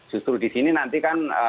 justru di sini nanti kan